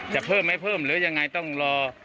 เพิ่มไหมเพิ่มหรือยังไงต้องรอ